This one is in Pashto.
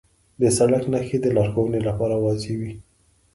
د سړک نښې د لارښوونې لپاره واضح وي.